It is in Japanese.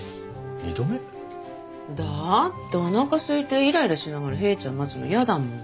二度目？だっておなかすいてイライラしながらヘイちゃん待つの嫌だもん。